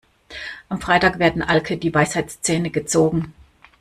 Am Freitag werden Alke die Weisheitszähne gezogen.